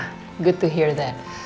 bagus dengar itu